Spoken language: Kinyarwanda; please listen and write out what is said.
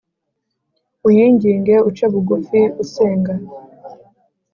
uyiginge, uce bugufi usenga